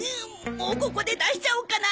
もうここで出しちゃおうかな。